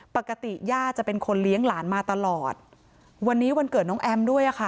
ปกติย่าจะเป็นคนเลี้ยงหลานมาตลอดวันนี้วันเกิดน้องแอมด้วยอ่ะค่ะ